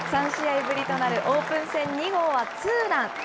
３試合ぶりとなるオープン戦２号はツーラン。